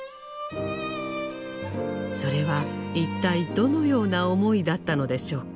それは一体どのような思いだったのでしょうか。